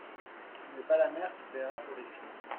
Ce n’est pas la mère qui paiera pour les filles.